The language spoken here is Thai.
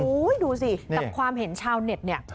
ดูสิแต่ความเห็นชาวเน็ตเนี่ย